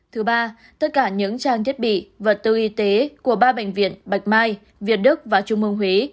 thứ ba tất cả những trang thiết bị vật tư y tế của ba bệnh viện bạch mai việt đức và trung mương huế